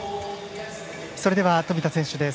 それでは富田選手です。